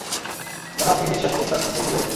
যেন আপনি নিঃশ্বাস-প্রশ্বাস নিতেই ভুলে গেছেন।